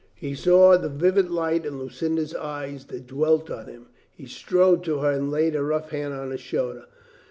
He saw the vivid light in Lucinda's eyes that dwelt on him. He strode to her and laid a rough hand on her shoulder.